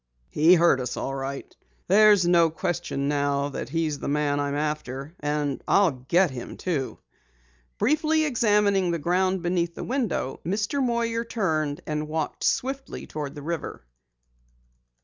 "He heard us all right. There's no question now that he's the man I am after! And I'll get him, too!" Briefly examining the ground beneath the window, Mr. Moyer turned and walked swiftly toward the river.